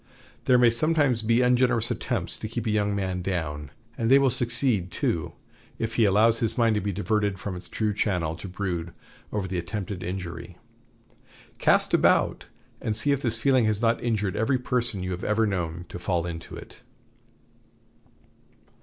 There may sometimes be ungenerous attempts to keep a young man down; and they will succeed, too, if he allows his mind to be diverted from its true channel to brood over the attempted injury. Cast about, and see if this feeling has not injured every person you have ever known to fall into it."